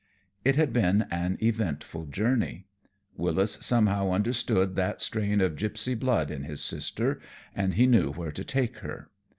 It had been an eventful journey. Wyllis somehow understood that strain of gypsy blood in his sister, and he knew where to take her.